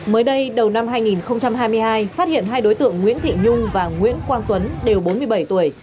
mới đây đầu năm hai nghìn hai mươi hai phát hiện hai đối tượng nguyễn thị nhung và nguyễn quang tuấn đều bốn mươi bảy tuổi